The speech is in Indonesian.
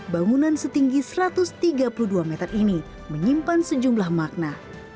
bangunan setinggi satu ratus tiga puluh dua meter ini menyimpan sejumlah makna